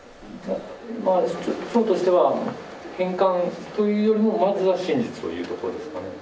町としては返還というよりも、まずは真実をというところですかね。